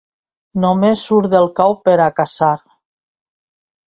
Només surt del cau per a caçar.